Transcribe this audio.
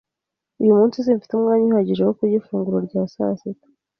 Uyu munsi, simfite umwanya uhagije wo kurya ifunguro rya sasita.